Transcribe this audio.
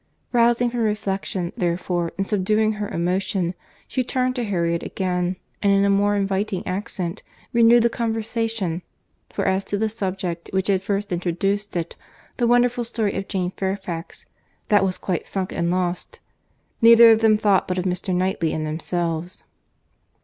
—Rousing from reflection, therefore, and subduing her emotion, she turned to Harriet again, and, in a more inviting accent, renewed the conversation; for as to the subject which had first introduced it, the wonderful story of Jane Fairfax, that was quite sunk and lost.—Neither of them thought but of Mr. Knightley and themselves.